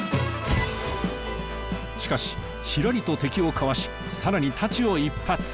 しかしひらりと敵をかわしさらに太刀を一発！